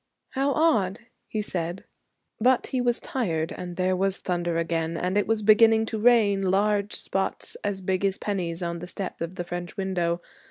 'How odd!' he said. But he was tired and there was thunder again and it was beginning to rain, large spots as big as pennies on the step of the French window.